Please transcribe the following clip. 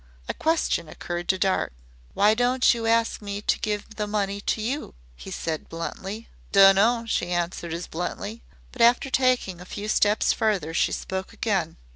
A question occurred to Dart. "Why don't you ask me to give the money to you?" he said bluntly. "Dunno," she answered as bluntly. But after taking a few steps farther she spoke again.